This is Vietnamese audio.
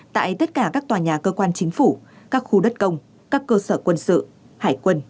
tại tất cả các tòa nhà cơ quan chính phủ các khu đất công các cơ sở quân sự hải quân